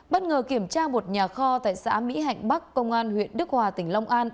bất ngờ kiểm tra một nhà kho tại xã mỹ hạnh bắc công an huyện đức hòa tỉnh long an